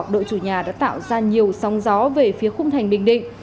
đội chủ nhà đã tạo ra nhiều sóng gió về phía khung thành bình định